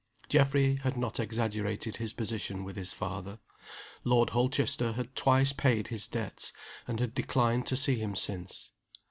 Geoffrey had not exaggerated his position with his father. Lord Holchester had twice paid his debts, and had declined to see him since.